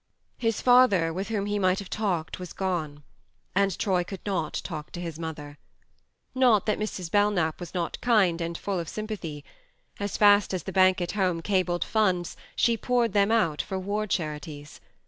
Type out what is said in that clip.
His father, with whom he might have talked, was gone ; and Troy could not talk to his mother. Not that Mrs. Belknap was not kind and full of sym pathy : as fast as the bank at home cabled funds she poured them out for war charities.